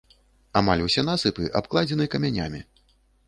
Амаль усе насыпы абкладзены камянямі.